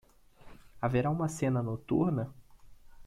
Haverá uma cena noturna?